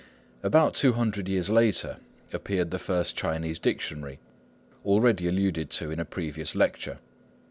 About two hundred years later appeared the first Chinese dictionary, already alluded to in a previous lecture.